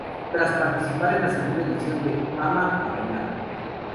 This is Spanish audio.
Tras participar en la segunda edición de "Fama ¡A bailar!